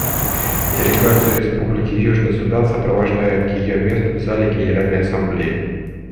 Делегацию Республики Южный Судан сопровождают к ее месту в зале Генеральной Ассамблеи.